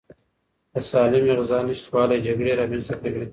د سالمې غذا نشتوالی جګړې رامنځته کوي.